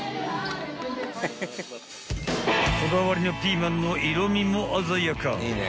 ［こだわりのピーマンの色みも鮮やか］